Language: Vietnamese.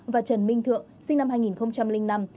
và trần minh thượng sinh năm hai nghìn năm